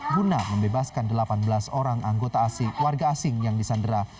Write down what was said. guna membebaskan delapan belas orang anggota asing warga asing yang disandera